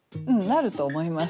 なると思いますね。